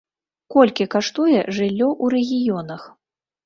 Колькі каштуе жыллё ў рэгіёнах?